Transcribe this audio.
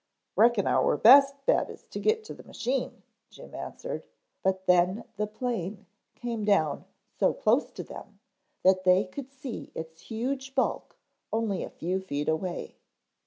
"Reckon our best bet is to get to the machine," Jim answered, but then the plane came down so close to them that they could see its huge bulk only a few feet away.